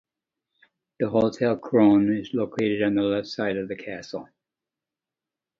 The Hotel Krone is located on the left side of the castle.